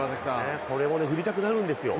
これも振りたくなるんですよ